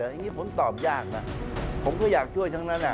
อย่างนี้ผมตอบยากนะผมก็อยากช่วยทั้งนั้น